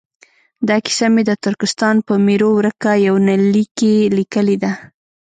دا کیسه مې د ترکستان په میرو ورکه یونلیک کې لیکلې ده.